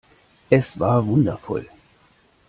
Es war wundervoll.